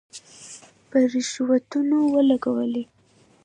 په رشوتونو ولګولې.